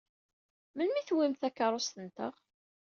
Melmi i tewwimt takeṛṛust-nteɣ?